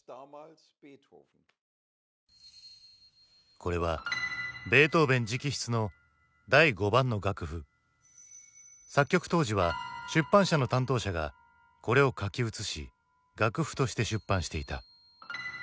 これは作曲当時は出版社の担当者がこれを書き写し楽譜として出版していた。